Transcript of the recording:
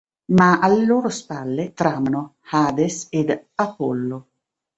Ma alle loro spalle tramano Hades ed Apollo.